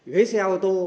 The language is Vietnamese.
ghế xe ô tô